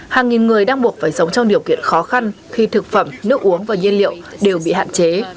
hàng nghìn người đang buộc phải sống trong điều kiện khó khăn khi thực phẩm nước uống và nhiên liệu đều bị hạn chế